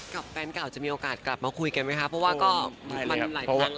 กับแฟนเก่าจะมีโอกาสกลับมาคุยกันไหมครับ